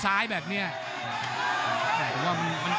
จะโดนซ้ายแบบนี้จะโดนซ้ายแบบนี้